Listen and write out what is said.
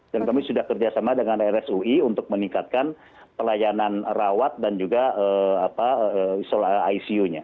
dan kami sudah kerjasama dengan rsui untuk meningkatkan pelayanan rawat dan juga isolasi icu nya